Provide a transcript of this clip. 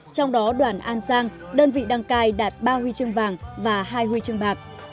trong đó đoàn an giang đơn vị đăng cai đạt ba huy chương vàng và hai huy chương bạc